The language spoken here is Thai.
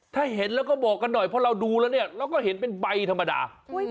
ถ้าเห็นแล้วก็บอกกันหน่อยเพราะเราดูแล้วเนี่ยเราก็เห็นเป็นใบธรรมดา